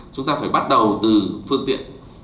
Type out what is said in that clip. chúng ta phải bắt đầu từ phương tiện